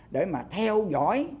để mà theo dõi